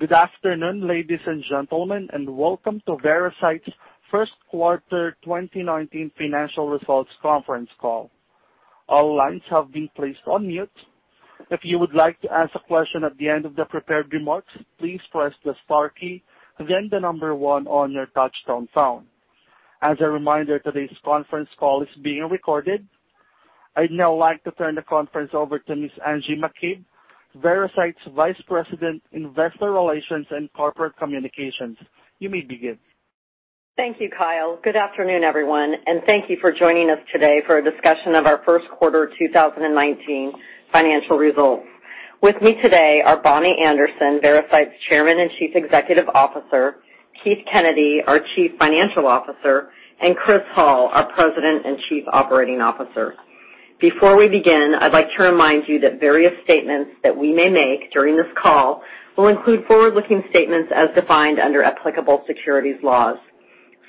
Good afternoon, ladies and gentlemen, welcome to Veracyte's first quarter 2019 financial results conference call. All lines have been placed on mute. If you would like to ask a question at the end of the prepared remarks, please press the star key, then the number one on your touch-tone phone. As a reminder, today's conference call is being recorded. I'd now like to turn the conference over to Ms. Angeline McCabe, Veracyte's Vice President, Investor Relations and Corporate Communications. You may begin. Thank you, Kyle. Good afternoon, everyone, thank you for joining us today for a discussion of our first quarter 2019 financial results. With me today are Bonnie Anderson, Veracyte's Chairman and Chief Executive Officer, Keith Kennedy, our Chief Financial Officer, and Chris Hall, our President and Chief Operating Officer. Before we begin, I'd like to remind you that various statements that we may make during this call will include forward-looking statements as defined under applicable securities laws.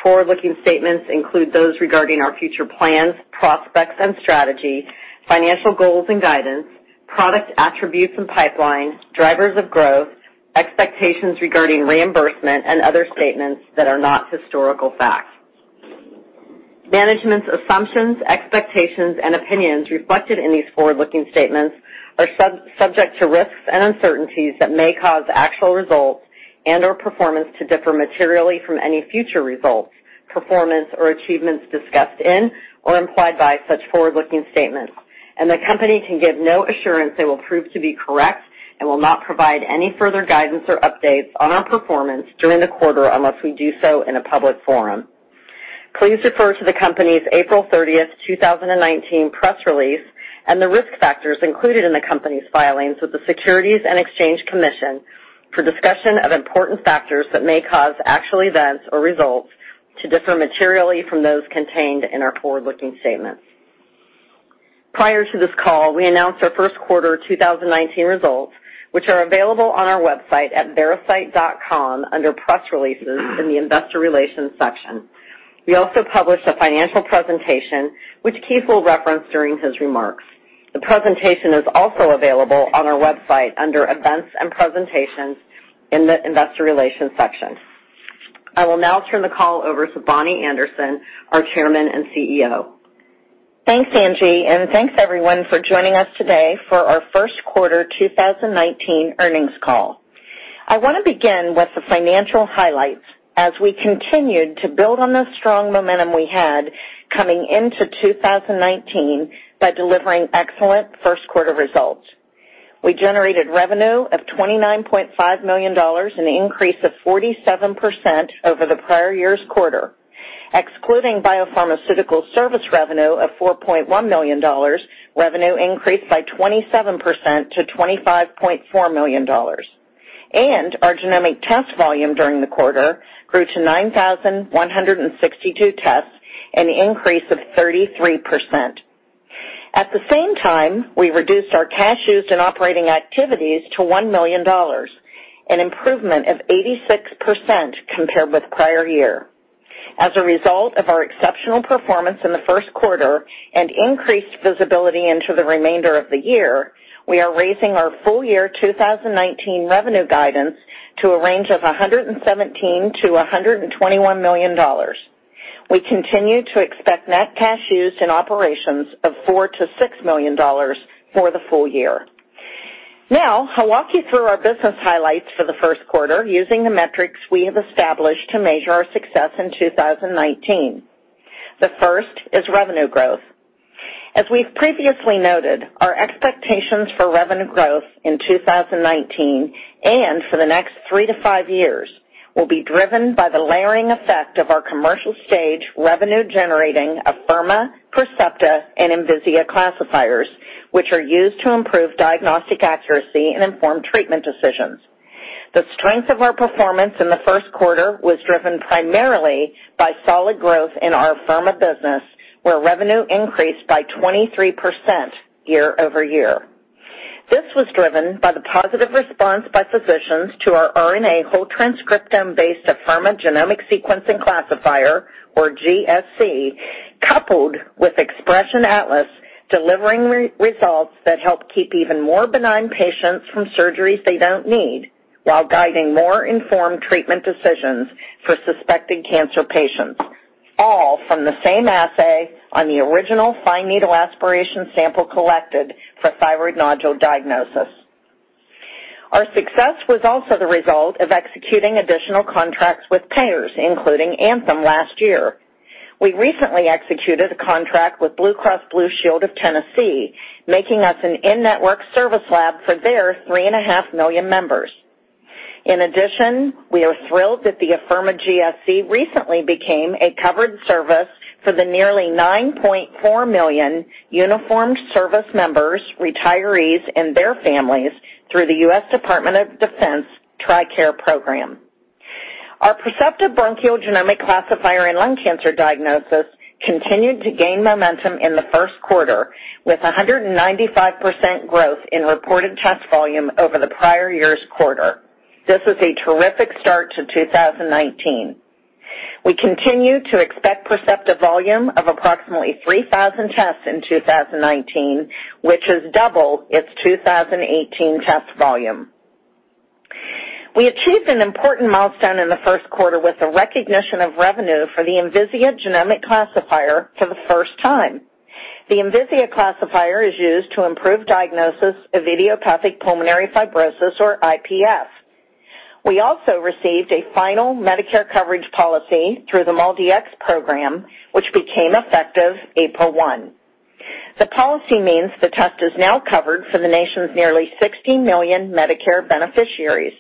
Forward-looking statements include those regarding our future plans, prospects, and strategy, financial goals and guidance, product attributes and pipelines, drivers of growth, expectations regarding reimbursement, and other statements that are not historical facts. Management's assumptions, expectations, and opinions reflected in these forward-looking statements are subject to risks and uncertainties that may cause actual results and/or performance to differ materially from any future results, performance, or achievements discussed in or implied by such forward-looking statements, the company can give no assurance they will prove to be correct and will not provide any further guidance or updates on our performance during the quarter unless we do so in a public forum. Please refer to the company's April 30th 2019 press release and the risk factors included in the company's filings with the Securities and Exchange Commission for discussion of important factors that may cause actual events or results to differ materially from those contained in our forward-looking statements. Prior to this call, we announced our first quarter 2019 results, which are available on our website at veracyte.com under Press Releases in the Investor Relations section. We also published a financial presentation, which Keith will reference during his remarks. The presentation is also available on our website under Events and Presentations in the Investor Relations section. I will now turn the call over to Bonnie Anderson, our Chairman and CEO. Thanks, Angie, and thanks everyone for joining us today for our first quarter 2019 earnings call. I want to begin with the financial highlights as we continued to build on the strong momentum we had coming into 2019 by delivering excellent first quarter results. We generated revenue of $29.5 million, an increase of 47% over the prior year's quarter. Excluding biopharmaceutical service revenue of $4.1 million, revenue increased by 27% to $25.4 million. Our genomic test volume during the quarter grew to 9,162 tests, an increase of 33%. At the same time, we reduced our cash used in operating activities to $1 million, an improvement of 86% compared with prior year. As a result of our exceptional performance in the first quarter and increased visibility into the remainder of the year, we are raising our full year 2019 revenue guidance to a range of $117 million-$121 million. We continue to expect net cash used in operations of $4 million-$6 million for the full year. Now, I'll walk you through our business highlights for the first quarter using the metrics we have established to measure our success in 2019. The first is revenue growth. As we've previously noted, our expectations for revenue growth in 2019 and for the next three to five years will be driven by the layering effect of our commercial stage revenue generating Afirma, Percepta, and Envisia classifiers, which are used to improve diagnostic accuracy and inform treatment decisions. The strength of our performance in the first quarter was driven primarily by solid growth in our Afirma business, where revenue increased by 23% year-over-year. This was driven by the positive response by physicians to our RNA whole transcriptome-based Afirma Genomic Sequencing Classifier, or GSC, coupled with Xpression Atlas, delivering results that help keep even more benign patients from surgeries they don't need while guiding more informed treatment decisions for suspected cancer patients, all from the same assay on the original fine needle aspiration sample collected for thyroid nodule diagnosis. Our success was also the result of executing additional contracts with payers, including Anthem last year. We recently executed a contract with BlueCross BlueShield of Tennessee, making us an in-network service lab for their three and a half million members. We are thrilled that the Afirma GSC recently became a covered service for the nearly 9.4 million uniformed service members, retirees, and their families through the U.S. Department of Defense TRICARE program. Our Percepta bronchial genomic classifier in lung cancer diagnosis continued to gain momentum in the first quarter, with 195% growth in reported test volume over the prior year's quarter. This is a terrific start to 2019. We continue to expect Percepta volume of approximately 3,000 tests in 2019, which is double its 2018 test volume. We achieved an important milestone in the first quarter with the recognition of revenue for the Envisia Genomic Classifier for the first time. The Envisia Classifier is used to improve diagnosis of idiopathic pulmonary fibrosis, or IPF. We also received a final Medicare coverage policy through the MolDX program, which became effective April 1. The policy means the test is now covered for the nation's nearly 60 million Medicare beneficiaries.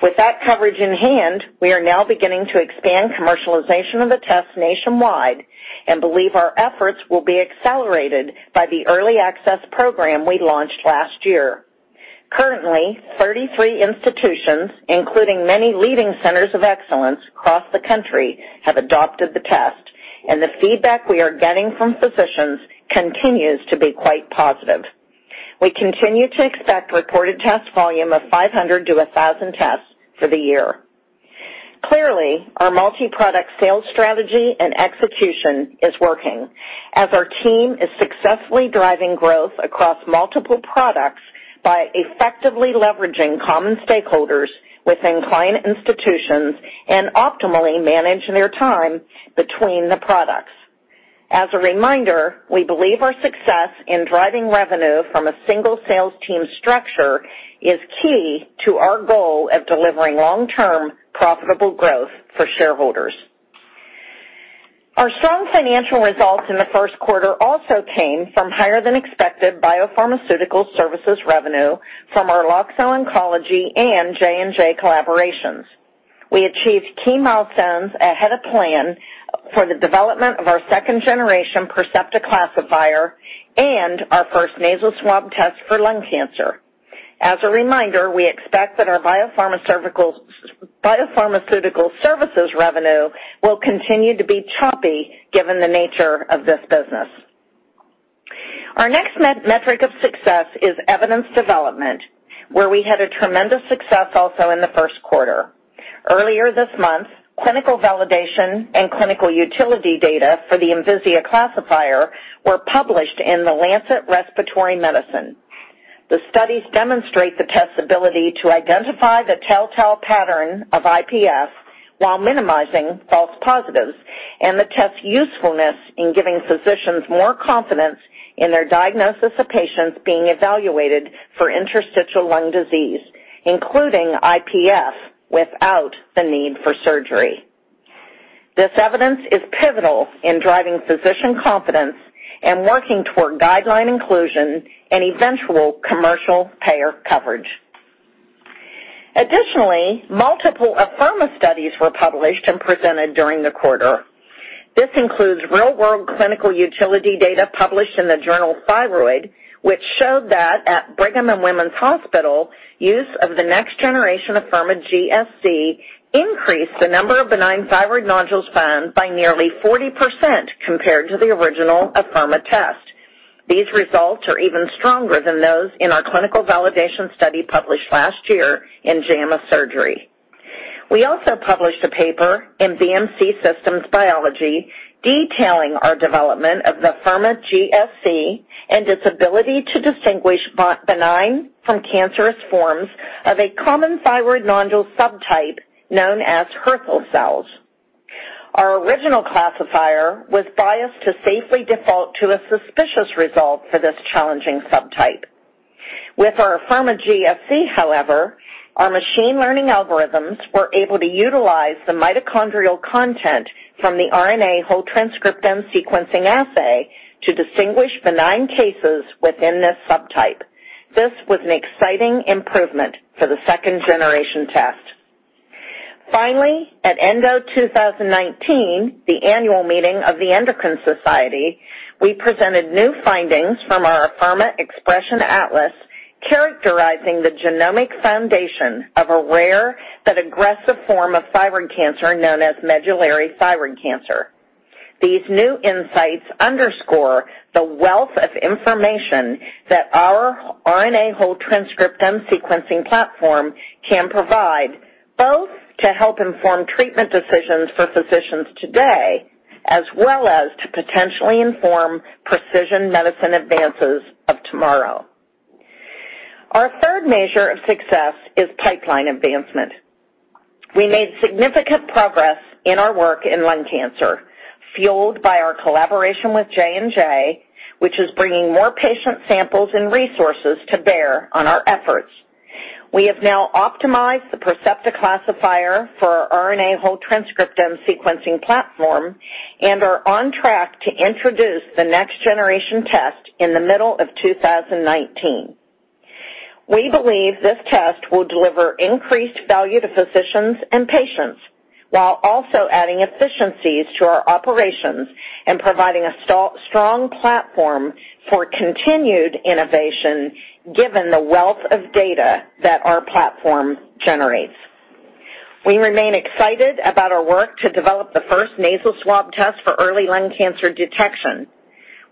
With that coverage in hand, we are now beginning to expand commercialization of the test nationwide and believe our efforts will be accelerated by the early access program we launched last year. Currently, 33 institutions, including many leading centers of excellence across the country, have adopted the test, and the feedback we are getting from physicians continues to be quite positive. We continue to expect reported test volume of 500 to 1,000 tests for the year. Clearly, our multiproduct sales strategy and execution is working, as our team is successfully driving growth across multiple products by effectively leveraging common stakeholders within client institutions and optimally managing their time between the products. As a reminder, we believe our success in driving revenue from a single sales team structure is key to our goal of delivering long-term profitable growth for shareholders. Our strong financial results in the first quarter also came from higher-than-expected biopharmaceutical services revenue from our Loxo Oncology and J&J collaborations. We achieved key milestones ahead of plan for the development of our second-generation Percepta Classifier and our first nasal swab test for lung cancer. As a reminder, we expect that our biopharmaceutical services revenue will continue to be choppy, given the nature of this business. Our next metric of success is evidence development, where we had a tremendous success also in the first quarter. Earlier this month, clinical validation and clinical utility data for the Envisia Classifier were published in The Lancet Respiratory Medicine. The studies demonstrate the test's ability to identify the telltale pattern of IPF while minimizing false positives and the test's usefulness in giving physicians more confidence in their diagnosis of patients being evaluated for interstitial lung disease, including IPF, without the need for surgery. This evidence is pivotal in driving physician confidence and working toward guideline inclusion and eventual commercial payer coverage. Additionally, multiple Afirma studies were published and presented during the quarter. This includes real-world clinical utility data published in the journal Thyroid, which showed that at Brigham and Women's Hospital, use of the next generation Afirma GSC increased the number of benign thyroid nodules found by nearly 40% compared to the original Afirma test. These results are even stronger than those in our clinical validation study published last year in JAMA Surgery. We also published a paper in BMC Systems Biology detailing our development of the Afirma GSC and its ability to distinguish benign from cancerous forms of a common thyroid nodule subtype known as Hürthle cells. Our original classifier was biased to safely default to a suspicious result for this challenging subtype. With our Afirma GSC, however, our machine learning algorithms were able to utilize the mitochondrial content from the RNA whole transcriptome sequencing assay to distinguish benign cases within this subtype. This was an exciting improvement for the second-generation test. Finally, at ENDO 2019, the annual meeting of the Endocrine Society, we presented new findings from our Afirma Xpression Atlas characterizing the genomic foundation of a rare but aggressive form of thyroid cancer known as medullary thyroid cancer. These new insights underscore the wealth of information that our RNA whole transcriptome sequencing platform can provide, both to help inform treatment decisions for physicians today, as well as to potentially inform precision medicine advances of tomorrow. Our third measure of success is pipeline advancement. We made significant progress in our work in lung cancer, fueled by our collaboration with J&J, which is bringing more patient samples and resources to bear on our efforts. We have now optimized the Percepta Classifier for our RNA whole transcriptome sequencing platform and are on track to introduce the next-generation test in the middle of 2019. We believe this test will deliver increased value to physicians and patients while also adding efficiencies to our operations and providing a strong platform for continued innovation given the wealth of data that our platform generates. We remain excited about our work to develop the first nasal swab test for early lung cancer detection.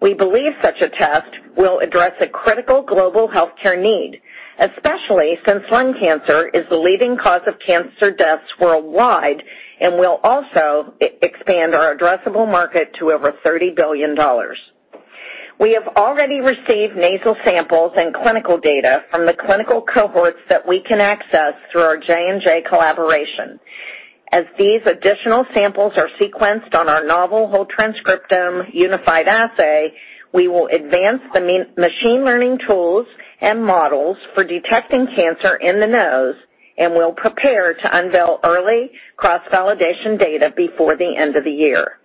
We believe such a test will address a critical global healthcare need, especially since lung cancer is the leading cause of cancer deaths worldwide and will also expand our addressable market to over $30 billion. We have already received nasal samples and clinical data from the clinical cohorts that we can access through our J&J collaboration. As these additional samples are sequenced on our novel whole transcriptome unified assay, we will advance the machine learning tools and models for detecting cancer in the nose and will prepare to unveil early cross-validation data before the end of the year.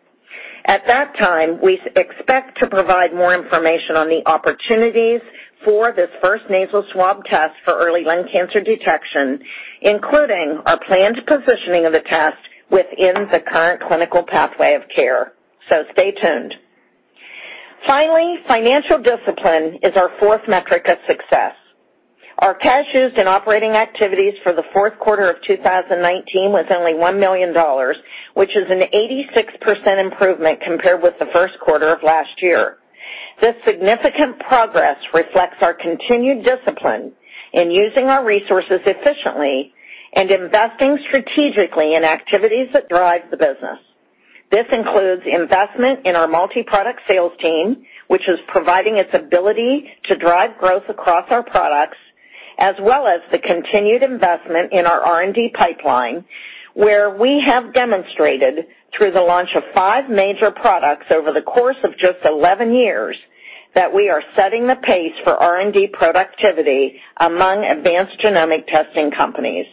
At that time, we expect to provide more information on the opportunities for this first nasal swab test for early lung cancer detection, including our planned positioning of the test within the current clinical pathway of care. Stay tuned. Finally, financial discipline is our fourth metric of success. Our cash used in operating activities for the fourth quarter of 2019 was only $1 million, which is an 86% improvement compared with the first quarter of last year. This significant progress reflects our continued discipline in using our resources efficiently and investing strategically in activities that drive the business. This includes investment in our multi-product sales team, which is providing its ability to drive growth across our products, as well as the continued investment in our R&D pipeline, where we have demonstrated through the launch of five major products over the course of just 11 years that we are setting the pace for R&D productivity among advanced genomic testing companies.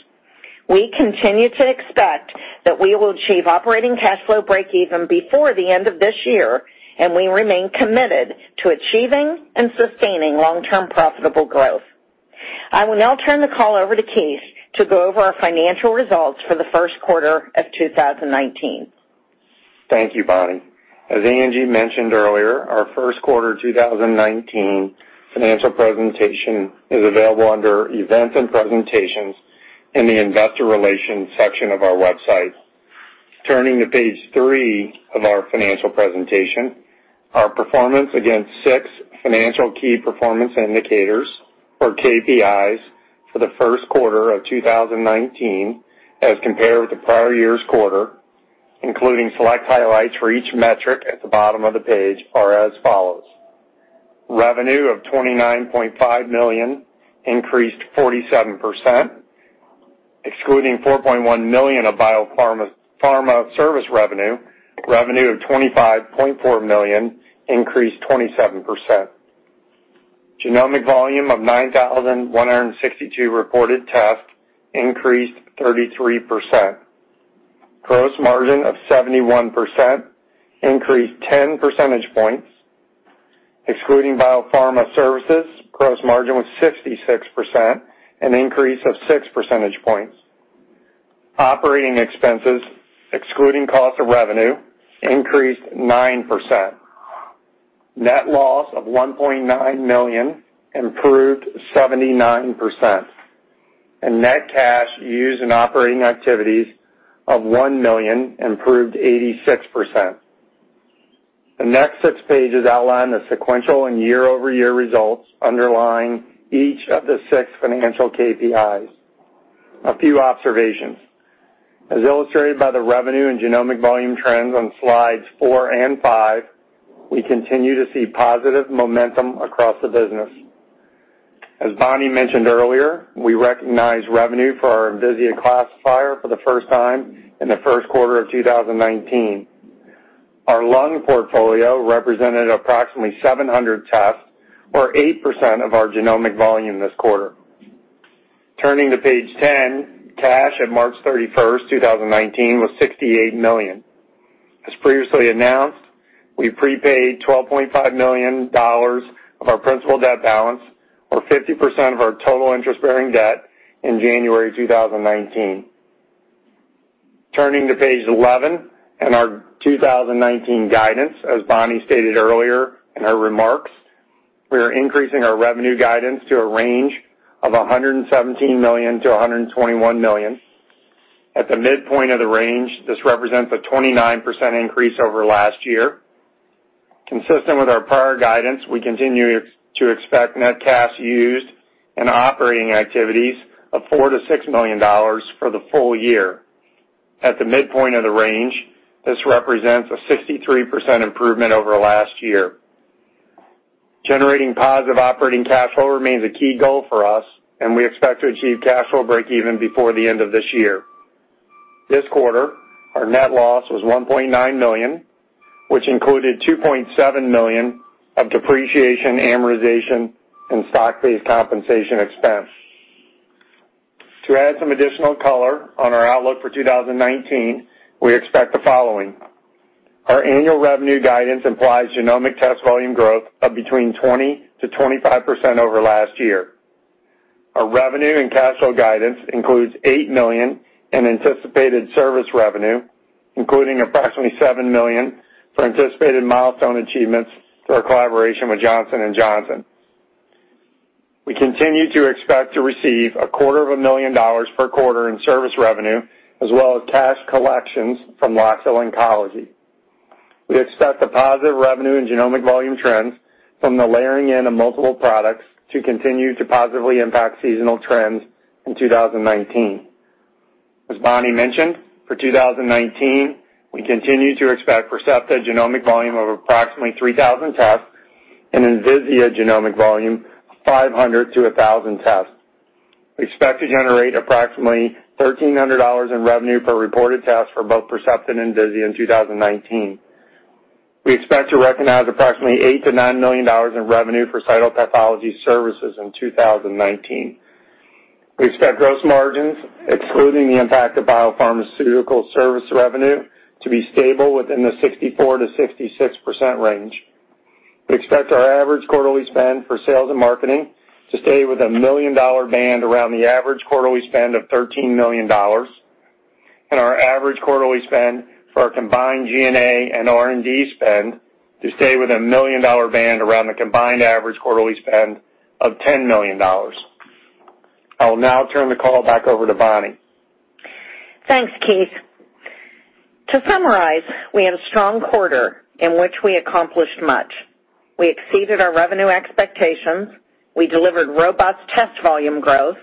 We continue to expect that we will achieve operating cash flow breakeven before the end of this year, and we remain committed to achieving and sustaining long-term profitable growth. I will now turn the call over to Keith to go over our financial results for the first quarter of 2019. Thank you, Bonnie. As Angie mentioned earlier, our first quarter 2019 financial presentation is available under Events and Presentations in the Investor Relations section of our website. Turning to page three of our financial presentation, our performance against six financial key performance indicators, or KPIs, for the first quarter of 2019 as compared with the prior year's quarter, including select highlights for each metric at the bottom of the page, are as follows. Revenue of $29.5 million increased 47%, excluding $4.1 million of BioPharma service revenue. Revenue of $25.4 million increased 27%. Genomic volume of 9,162 reported tests increased 33%. Gross margin of 71% increased 10 percentage points. Excluding BioPharma services, gross margin was 66%, an increase of six percentage points. Operating expenses, excluding cost of revenue, increased 9%. Net loss of $1.9 million, improved 79%. And net cash used in operating activities of $1 million, improved 86%. The next six pages outline the sequential and year-over-year results underlying each of the six financial KPIs. A few observations. As illustrated by the revenue and genomic volume trends on slides four and five, we continue to see positive momentum across the business. As Bonnie mentioned earlier, we recognized revenue for our Envisia Classifier for the first time in the first quarter of 2019. Our lung portfolio represented approximately 700 tests, or 8% of our genomic volume this quarter. Turning to page 10, cash at March 31st, 2019, was $68 million. As previously announced, we prepaid $12.5 million of our principal debt balance, or 50% of our total interest-bearing debt, in January 2019. Turning to page 11 and our 2019 guidance, as Bonnie stated earlier in her remarks, we are increasing our revenue guidance to a range of $117 million-$121 million. At the midpoint of the range, this represents a 29% increase over last year. Consistent with our prior guidance, we continue to expect net cash used in operating activities of $4 million-$6 million for the full year. At the midpoint of the range, this represents a 63% improvement over last year. Generating positive operating cash flow remains a key goal for us, and we expect to achieve cash flow breakeven before the end of this year. This quarter, our net loss was $1.9 million, which included $2.7 million of depreciation, amortization, and stock-based compensation expense. To add some additional color on our outlook for 2019, we expect the following. Our annual revenue guidance implies genomic test volume growth of between 20%-25% over last year. Our revenue and cash flow guidance includes $8 million in anticipated service revenue, including approximately $7 million for anticipated milestone achievements through our collaboration with Johnson & Johnson. We continue to expect to receive a quarter of a million dollars per quarter in service revenue, as well as cash collections from Loxo Oncology. We expect the positive revenue and genomic volume trends from the layering in of multiple products to continue to positively impact seasonal trends in 2019. As Bonnie mentioned, for 2019, we continue to expect Percepta genomic volume of approximately 3,000 tests and Envisia genomic volume 500-1,000 tests. We expect to generate approximately $1,300 in revenue per reported test for both Percepta and Envisia in 2019. We expect to recognize approximately $8 million-$9 million in revenue for cytopathology services in 2019. We expect gross margins, excluding the impact of BioPharma service revenue, to be stable within the 64%-66% range. We expect our average quarterly spend for sales and marketing to stay with a million-dollar band around the average quarterly spend of $13 million and our average quarterly spend for our combined G&A and R&D spend to stay with a million-dollar band around the combined average quarterly spend of $10 million. I will now turn the call back over to Bonnie. Thanks, Keith. To summarize, we had a strong quarter in which we accomplished much. We exceeded our revenue expectations. We delivered robust test volume growth.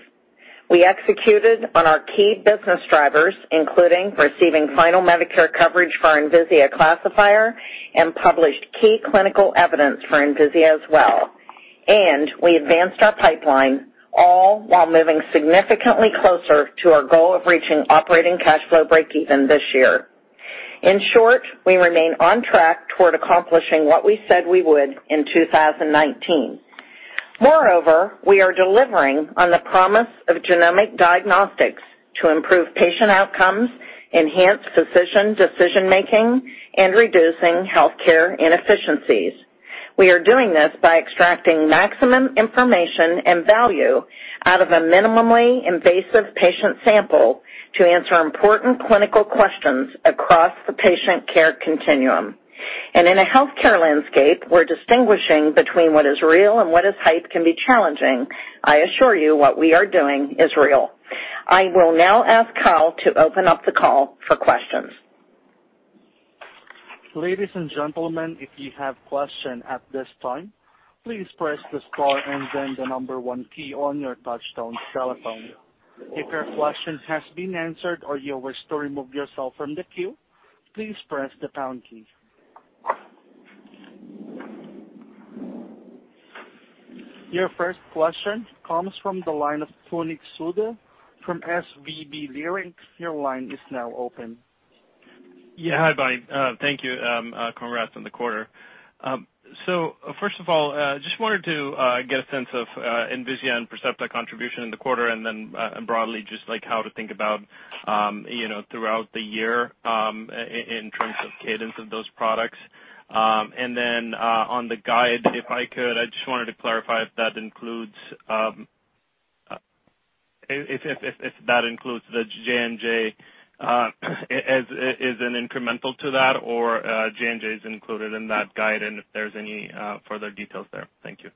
We executed on our key business drivers, including receiving final Medicare coverage for Envisia Classifier and published key clinical evidence for Envisia as well. We advanced our pipeline all while moving significantly closer to our goal of reaching operating cash flow breakeven this year. In short, we remain on track toward accomplishing what we said we would in 2019. Moreover, we are delivering on the promise of genomic diagnostics to improve patient outcomes, enhance physician decision-making, and reducing healthcare inefficiencies. We are doing this by extracting maximum information and value out of a minimally invasive patient sample to answer important clinical questions across the patient care continuum. In a healthcare landscape where distinguishing between what is real and what is hype can be challenging, I assure you what we are doing is real. I will now ask Carl to open up the call for questions. Ladies and gentlemen, if you have questions at this time, please press the star and then the number one key on your touchtone telephone. If your question has been answered or you wish to remove yourself from the queue, please press the pound key. Your first question comes from the line of Puneet Souda from SVB Leerink. Your line is now open. Yeah. Hi, Bonnie. Thank you. Congrats on the quarter. First of all, just wanted to get a sense of Envisia and Percepta contribution in the quarter and then broadly just how to think about, throughout the year, in terms of cadence of those products. Then, on the guide, if I could, I just wanted to clarify if that includes the J&J, is it incremental to that or J&J's included in that guide, and if there's any further details there. Thank you.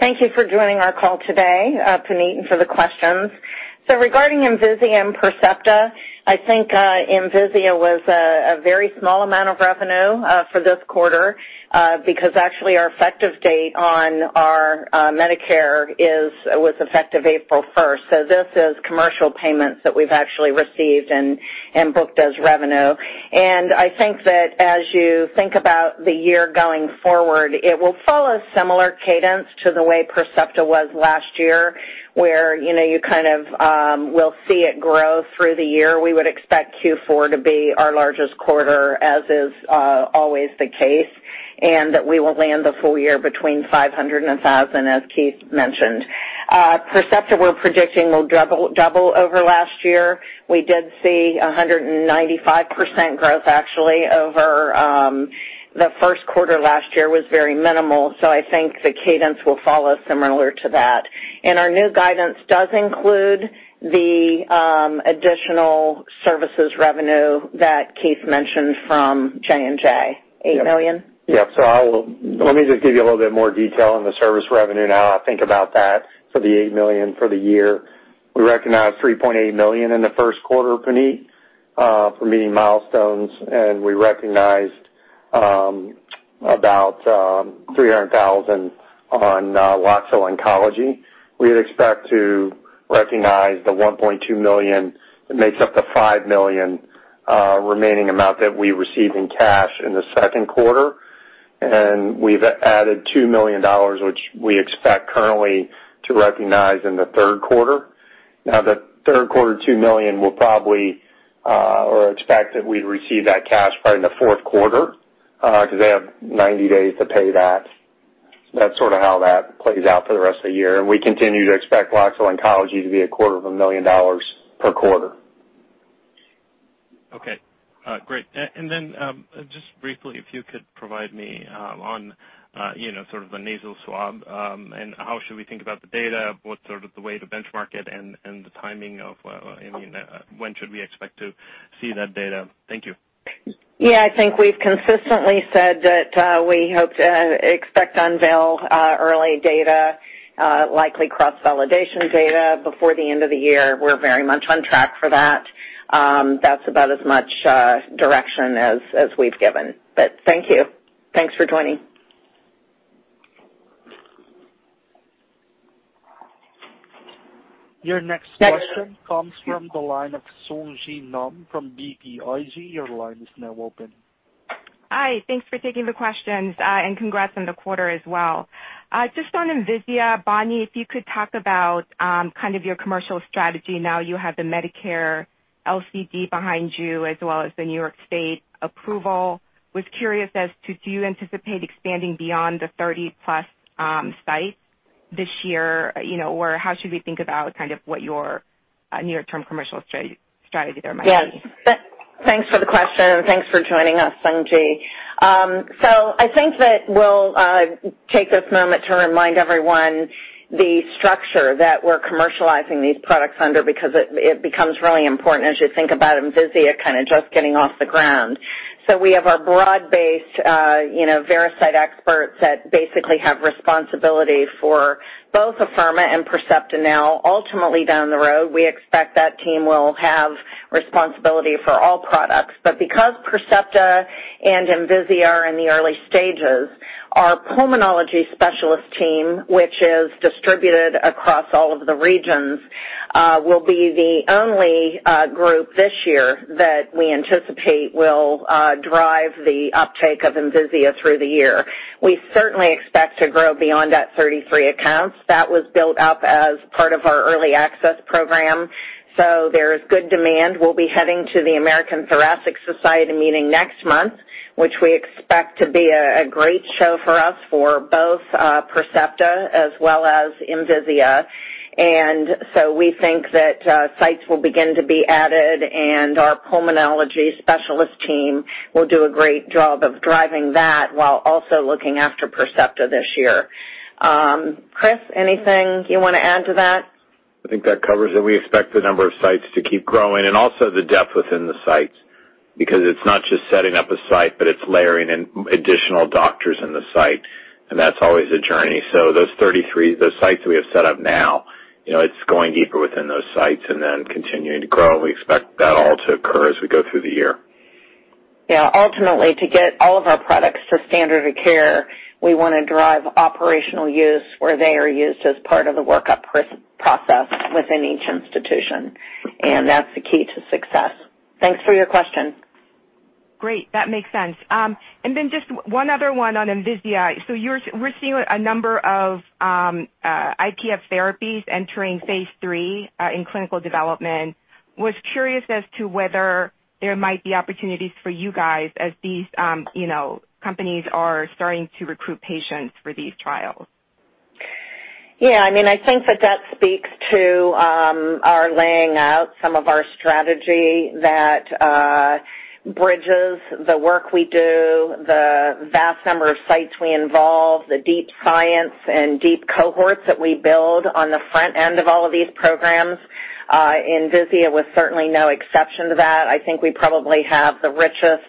Thank you for joining our call today, Puneet, and for the questions. Regarding Envisia and Percepta, I think Envisia was a very small amount of revenue for this quarter because actually our effective date on our Medicare was effective April 1st. This is commercial payments that we've actually received and booked as revenue. I think that as you think about the year going forward, it will follow a similar cadence to the way Percepta was last year, where you kind of will see it grow through the year. We would expect Q4 to be our largest quarter, as is always the case, and that we will land the full year between $500-$1,000, as Keith mentioned. Percepta, we're predicting will double over last year. We did see 195% growth actually over the first quarter last year was very minimal. I think the cadence will follow similar to that. Our new guidance does include the additional services revenue that Keith mentioned from J&J, $8 million. Let me just give you a little bit more detail on the service revenue now, I think about that for the $8 million for the year. We recognized $3.8 million in the first quarter, Puneet, for meeting milestones. We recognized about $300,000 on Loxo Oncology. We'd expect to recognize the $1.2 million that makes up the $5 million remaining amount that we received in cash in the second quarter. We've added $2 million, which we expect currently to recognize in the third quarter. The third quarter $2 million will probably receive that cash probably in the fourth quarter, because they have 90 days to pay that. That's sort of how that plays out for the rest of the year. We continue to expect Loxo Oncology to be a quarter of a million dollars per quarter. Okay. Great. Just briefly, if you could provide me on sort of the nasal swab, how should we think about the data? What's sort of the way to benchmark it and the timing of when should we expect to see that data? Thank you. I think we've consistently said that we hope to expect to unveil early data. Likely cross-validation data before the end of the year. We're very much on track for that. That's about as much direction as we've given. Thank you. Thanks for joining. Your next question comes from the line of Sung Ji Nam from BTIG. Your line is now open. Hi. Thanks for taking the questions. Congrats on the quarter as well. Just on Envisia, Bonnie, if you could talk about your commercial strategy now you have the Medicare LCD behind you, as well as the New York State approval. Was curious as to, do you anticipate expanding beyond the 30-plus sites this year, or how should we think about what your near-term commercial strategy there might be? Thanks for the question. Thanks for joining us, Sung Ji. I think that we'll take this moment to remind everyone the structure that we're commercializing these products under, because it becomes really important as you think about Envisia kind of just getting off the ground. We have our broad-based Veracyte experts that basically have responsibility for both Afirma and Percepta now. Ultimately down the road, we expect that team will have responsibility for all products. Because Percepta and Envisia are in the early stages, our pulmonology specialist team, which is distributed across all of the regions, will be the only group this year that we anticipate will drive the uptake of Envisia through the year. We certainly expect to grow beyond that 33 accounts. That was built up as part of our early access program. There is good demand. We'll be heading to the American Thoracic Society meeting next month, which we expect to be a great show for us for both Percepta as well as Envisia. We think that sites will begin to be added, and our pulmonology specialist team will do a great job of driving that while also looking after Percepta this year. Chris, anything you want to add to that? I think that covers it. We expect the number of sites to keep growing and also the depth within the sites, because it's not just setting up a site, but it's layering in additional doctors in the site, and that's always a journey. Those 33 sites we have set up now, it's going deeper within those sites and then continuing to grow. We expect that all to occur as we go through the year. Yeah. Ultimately, to get all of our products to standard of care, we want to drive operational use where they are used as part of the workup process within each institution, and that's the key to success. Thanks for your question. Great. That makes sense. Just one other one on Envisia. We're seeing a number of IPF therapies entering phase III in clinical development. Was curious as to whether there might be opportunities for you guys as these companies are starting to recruit patients for these trials. Yeah, I think that that speaks to our laying out some of our strategy that bridges the work we do, the vast number of sites we involve, the deep science and deep cohorts that we build on the front end of all of these programs. Envisia was certainly no exception to that. I think we probably have the richest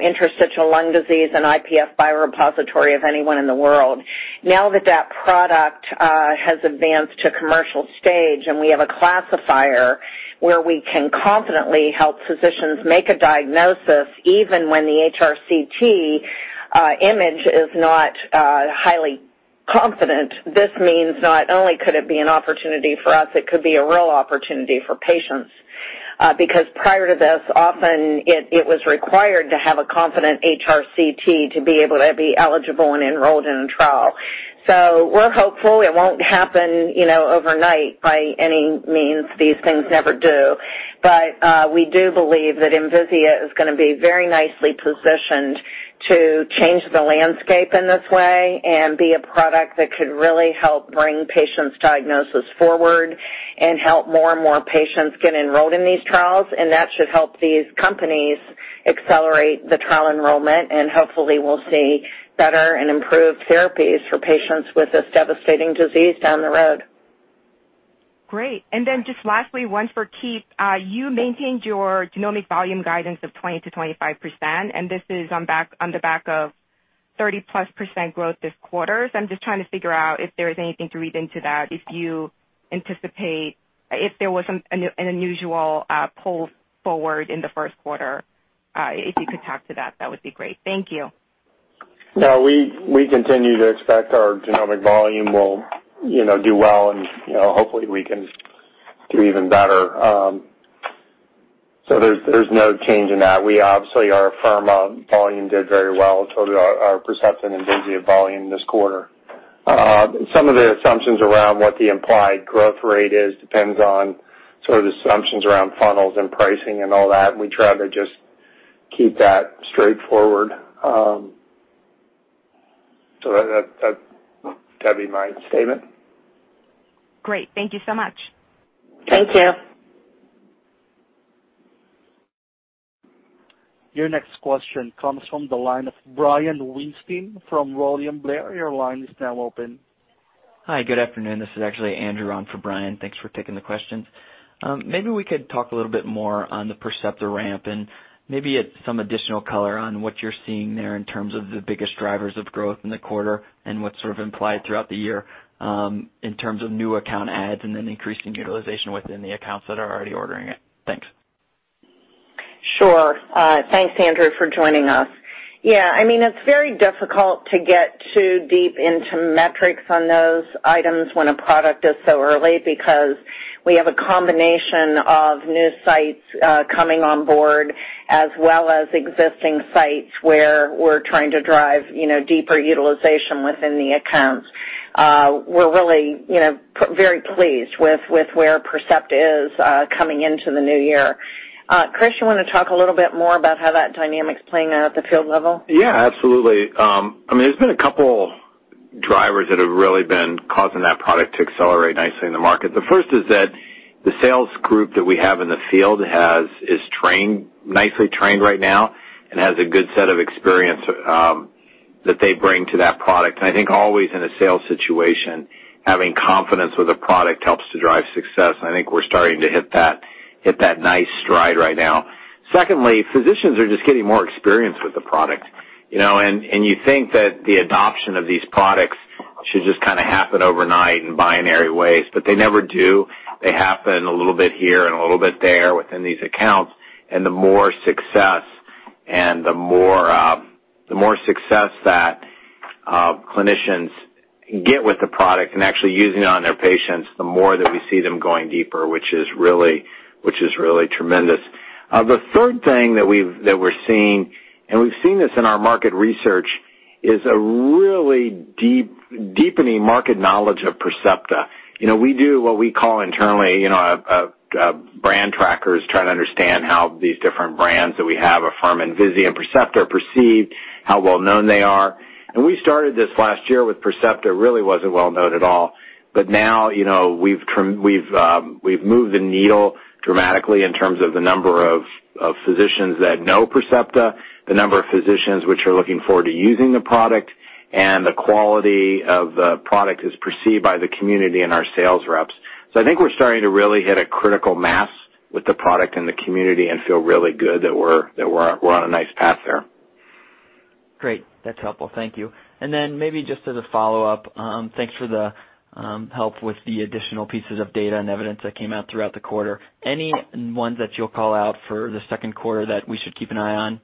interstitial lung disease and IPF biorepository of anyone in the world. Now that that product has advanced to commercial stage, and we have a classifier where we can confidently help physicians make a diagnosis even when the HRCT image is not highly confident. This means not only could it be an opportunity for us, it could be a real opportunity for patients. Because prior to this, often it was required to have a confident HRCT to be able to be eligible and enrolled in a trial. We're hopeful it won't happen overnight by any means. These things never do. We do believe that Envisia is going to be very nicely positioned to change the landscape in this way and be a product that could really help bring patients' diagnosis forward and help more and more patients get enrolled in these trials. That should help these companies accelerate the trial enrollment, and hopefully we'll see better and improved therapies for patients with this devastating disease down the road. Great. Just lastly, one for Keith. You maintained your genomic volume guidance of 20%-25%, and this is on the back of 30%+ growth this quarter. I'm just trying to figure out if there is anything to read into that, if you anticipate, if there was an unusual pull forward in the first quarter. If you could talk to that would be great. Thank you. No, we continue to expect our genomic volume will do well, hopefully we can do even better. There's no change in that. Obviously, our Afirma volume did very well, so did our Percepta and Envisia volume this quarter. Some of the assumptions around what the implied growth rate is depends on sort of the assumptions around funnels and pricing and all that. We try to just keep that straightforward. That'd be my statement. Great. Thank you so much. Thank you. Your next question comes from the line of Brian Weinstein from William Blair. Your line is now open. Hi, good afternoon. This is actually Andrew on for Brian. Thanks for taking the questions. Maybe we could talk a little bit more on the Percepta ramp and maybe add some additional color on what you're seeing there in terms of the biggest drivers of growth in the quarter and what's sort of implied throughout the year, in terms of new account adds and then increasing utilization within the accounts that are already ordering it. Thanks. Sure. Thanks, Andrew, for joining us. Yeah, it's very difficult to get too deep into metrics on those items when a product is so early, because we have a combination of new sites coming on board, as well as existing sites where we're trying to drive deeper utilization within the accounts. We're really very pleased with where Percepta is coming into the new year. Chris, you want to talk a little bit more about how that dynamic's playing out at the field level? Yeah, absolutely. There's been a couple drivers that have really been causing that product to accelerate nicely in the market. The first is that the sales group that we have in the field is nicely trained right now and has a good set of experience that they bring to that product. I think always in a sales situation, having confidence with a product helps to drive success, and I think we're starting to hit that nice stride right now. Secondly, physicians are just getting more experienced with the product. You think that the adoption of these products should just kind of happen overnight in binary ways, but they never do. They happen a little bit here and a little bit there within these accounts, and the more success that clinicians get with the product and actually using it on their patients, the more that we see them going deeper, which is really tremendous. The third thing that we're seeing, and we've seen this in our market research, is a really deepening market knowledge of Percepta. We do what we call internally brand trackers, trying to understand how these different brands that we have from Envisia and Percepta are perceived, how well-known they are. We started this last year with Percepta. It really wasn't well-known at all. Now, we've moved the needle dramatically in terms of the number of physicians that know Percepta, the number of physicians which are looking forward to using the product, and the quality of the product as perceived by the community and our sales reps. I think we're starting to really hit a critical mass with the product and the community and feel really good that we're on a nice path there. Great. That's helpful. Thank you. Then maybe just as a follow-up, thanks for the help with the additional pieces of data and evidence that came out throughout the quarter. Any ones that you'll call out for the second quarter that we should keep an eye on?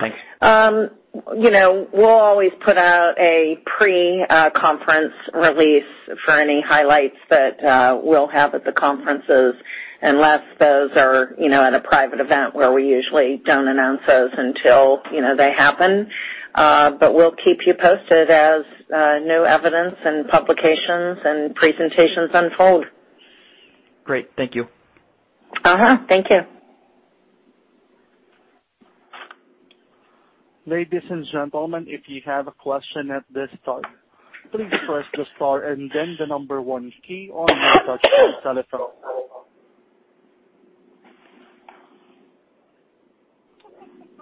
Thanks. We'll always put out a pre-conference release for any highlights that we'll have at the conferences, unless those are at a private event where we usually don't announce those until they happen. We'll keep you posted as new evidence and publications and presentations unfold. Great. Thank you. Thank you. Ladies and gentlemen, if you have a question at this time, please press the star and then the number one key on your touchtone telephone.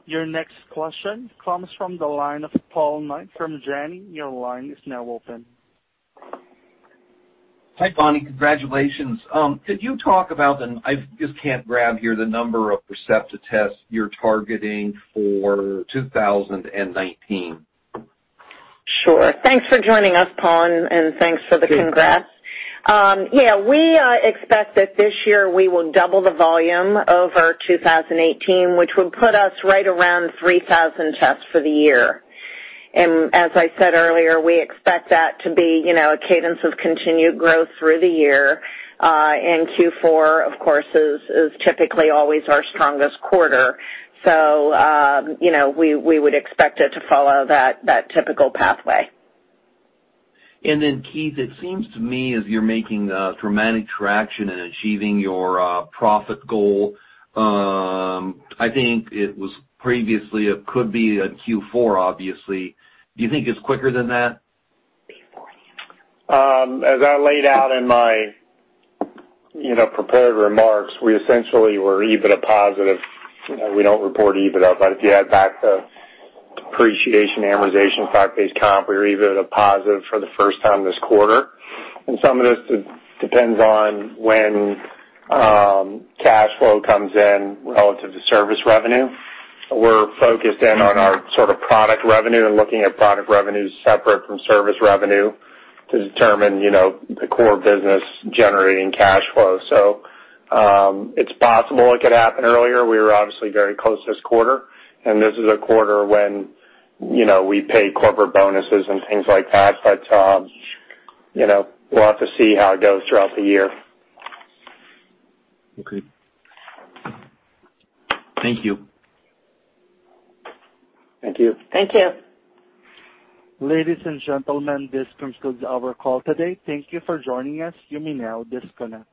Your next question comes from the line of Paul Knight from Janney. Your line is now open. Hi, Bonnie. Congratulations. Could you talk about the, I just can't grab here, the number of Percepta tests you're targeting for 2019. Sure. Thanks for joining us, Paul, thanks for the congrats. Okay. Yeah, we expect that this year we will double the volume over 2018, which would put us right around 3,000 tests for the year. As I said earlier, we expect that to be a cadence of continued growth through the year. Q4, of course, is typically always our strongest quarter. We would expect it to follow that typical pathway. Keith, it seems to me as you're making dramatic traction in achieving your profit goal, I think it was previously, it could be at Q4, obviously. Do you think it's quicker than that? Before the end. As I laid out in my prepared remarks, we essentially were EBITDA positive. We don't report EBITDA, but if you add back the depreciation, amortization, stock-based comp, we're EBITDA positive for the first time this quarter. Some of this depends on when cash flow comes in relative to service revenue. We're focused in on our sort of product revenue and looking at product revenues separate from service revenue to determine the core business generating cash flow. It's possible it could happen earlier. We were obviously very close this quarter, and this is a quarter when we pay corporate bonuses and things like that. We'll have to see how it goes throughout the year. Okay. Thank you. Thank you. Thank you. Ladies and gentlemen, this concludes our call today. Thank you for joining us. You may now disconnect.